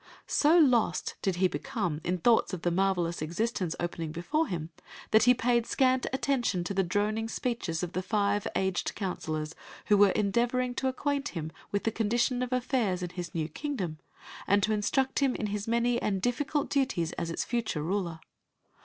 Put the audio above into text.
So lost did he become in thoughts of the marvel Story of the Magic Cloak ous existence opening before i Jm that he paid scant attention to the droning speeches of the five aged counselors, who were endeavoring to acquaint him with the condition of affairs in his new kingdom, and to instruct him in his many and difficult duties as its future ruler.